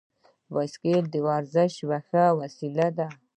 بایسکل د ورزش یوه ښه وسیله ده.